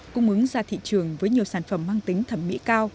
cùng ứng ra thị trường với nhiều sản phẩm